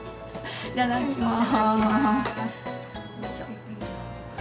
いただきます。